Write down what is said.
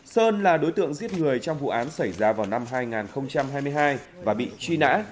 sơn là đối tượng giết người trong vụ án xảy ra vào năm hai nghìn hai mươi hai và bị truy nã